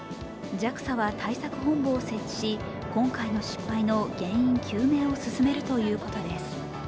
ＪＡＸＡは対策本部を設置し今回の失敗の原因究明を進めるということです。